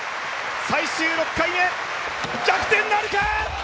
最終６回目、逆転なるか？